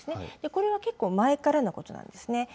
これは結構前からのことなんですね。